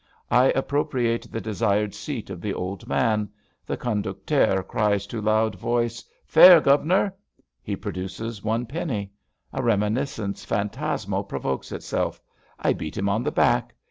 I appropriate the desired seat of the old man. The conductaire cries to loud voice: '* Fare, Ouvnor.'^ He produces one penny. A reminiscence phantasmal provokes itself. I beat him on the back.